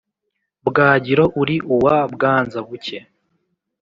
Bwagiro uri uwa Bwanza-buke,